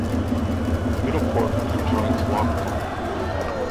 Middleport conjoins Longport.